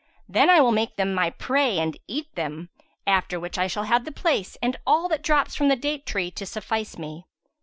Then will I make them my prey and eat them, after which I shall have the place and all that drops from the date tree to suffice me."